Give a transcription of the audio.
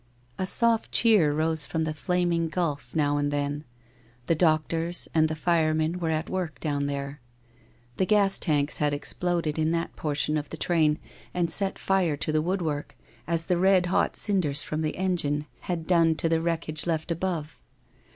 A soft cheer rose from the flaming gulf now and then. The doctors and the firemen were at work down there. The gas tanks had exploded in that portion of the train and sot fire to the woodwork, as the red hot cinders from the engine had done to the wreckage left above.